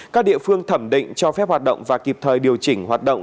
các địa phương thẩm định cho phép hoạt động và kịp thời điều chỉnh hoạt động